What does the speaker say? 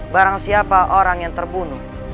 barang siapa orang yang terbunuh